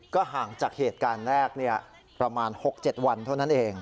ก็ห่างจากเหตุการณ์แรกประมาณ๖๗วันเท่านั้นเอง